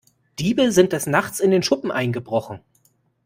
Diebe sind des Nachts in den Schuppen eingebrochen.